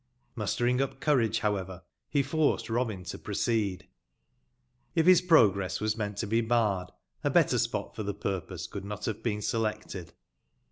Mustering up courage, bowever, be forced Eobin to proceed. If bis progress was meant to be barred, a better spot for tbe purpose could not bave been selected.